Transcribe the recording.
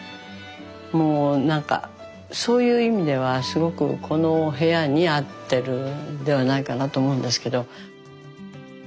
もうなんかそういう意味ではすごくこの部屋に合ってるんではないかなと思うんですけど。